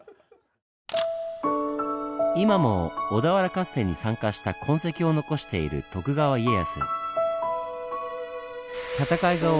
今も小田原合戦に参加した痕跡を残している徳川家康。